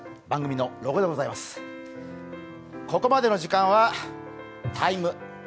ここまでの時間は「ＴＩＭＥ’」。